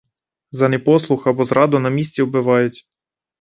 За непослух або зраду на місці убивають.